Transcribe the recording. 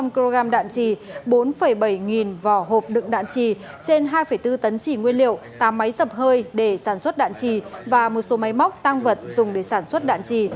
sáu mươi năm kg đạn chỉ bốn bảy nghìn vỏ hộp đựng đạn chỉ trên hai bốn tấn chỉ nguyên liệu tám máy dập hơi để sản xuất đạn chỉ và một số máy móc tăng vật dùng để sản xuất đạn chỉ